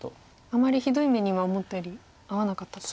あまりひどい目には思ったより遭わなかったと。